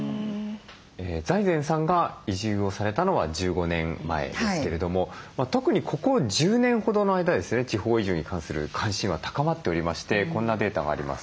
財前さんが移住をされたのは１５年前ですけれども特にここ１０年ほどの間ですね地方移住に関する関心は高まっておりましてこんなデータがあります。